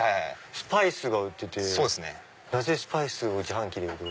スパイスが売っててなぜスパイスを自販機で？